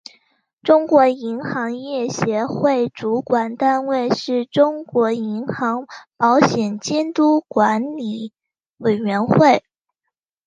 中国银行业协会主管单位是中国银行保险监督管理委员会。